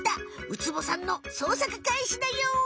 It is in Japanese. ウツボさんのそうさくかいしだよ！